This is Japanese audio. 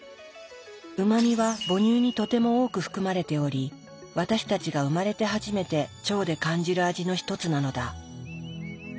「うま味」は母乳にとても多く含まれており私たちが生まれて初めて「腸」で感じる味の一つなのだ。